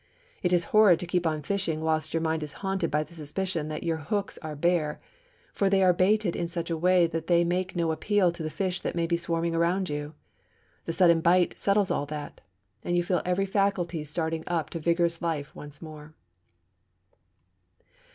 It is horrid to keep on fishing whilst your mind is haunted by the suspicion that your hooks are bare, or that they are baited in such a way that they make no appeal to the fish that may be swarming around you. The sudden bite settles all that, and you feel every faculty start up to vigorous life once more.